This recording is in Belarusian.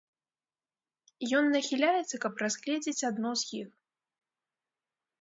Ён нахіляецца, каб разгледзець адно з іх.